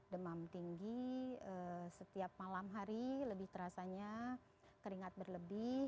demam tinggi setiap malam hari lebih terasanya keringat berlebih